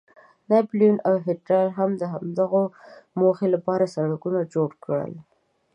ناپلیون او هیټلر هم د همدغې موخې لپاره سړکونه جوړ کړل.